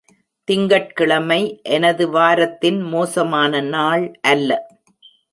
திங்கட்கிழமை எனது வாரத்தின் மோசமான நாள் அல்ல.